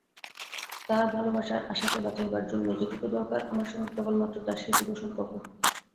তাহার ভালোবাসার আশাকে বাঁচাইবার জন্য যেটুকু দরকার, আমার সঙ্গে কেবলমাত্র তাহার সেইটুকু সর্ম্পক?